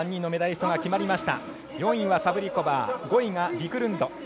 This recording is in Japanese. ４位はサブリコバー５位がビクルンド。